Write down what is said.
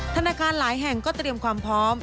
ธนาคารหลายแห่งก็เตรียมความพร้อม